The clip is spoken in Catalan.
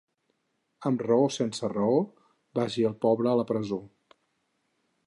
Amb raó o sense raó, vagi el pobre a la presó.